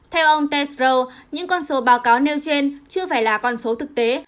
theo ông testro những con số báo cáo nêu trên chưa phải là con số thực tế